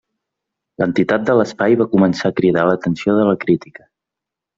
L'entitat de l'espai va començar a cridar l'atenció de la crítica.